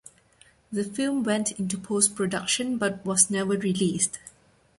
The film went into post-production but was never released.